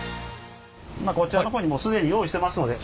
こちらの方にもう既に用意してますので。